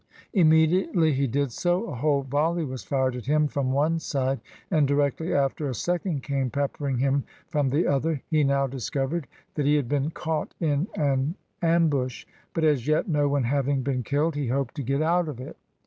Immediately he did so, a whole volley was fired at him from one side, and directly after a second came peppering him from the other. He now discovered that he had been caught in an ambush, but as yet, no one having been killed, he hoped to get out of it.